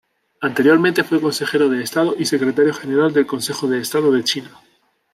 Anteriormente fue Consejero de Estado y Secretario General del Consejo de Estado de China.